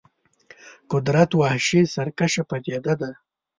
قدرت وحشي سرکشه پدیده ده.